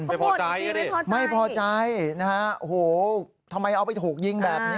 ไม่พอใจดิไม่พอใจนะฮะโอ้โหทำไมเอาไปถูกยิงแบบนี้